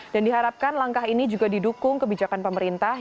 dan diharapkan langkah ini juga didukung kebijakan pemerintah